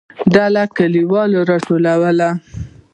ډله کليوال راټول ول.